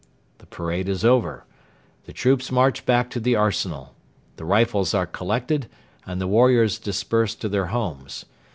The parade is over. The troops march back to the arsenal. The rifles are collected, and the warriors disperse to their homes.